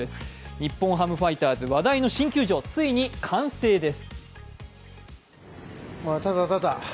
日本ハムファイターズ話題の新球場、ついに完成です。